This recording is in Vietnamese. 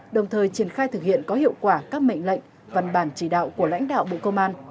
đồng thời triển khai thực hiện có hiệu quả các mệnh lệnh văn bản chỉ đạo của lãnh đạo bộ công an